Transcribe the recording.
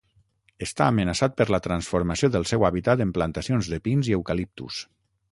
Està amenaçat per la transformació del seu hàbitat en plantacions de pins i eucaliptus.